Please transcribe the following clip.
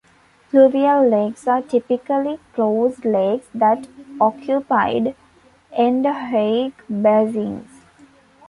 Pluvial lakes are typically closed lakes that occupied endorheic basins.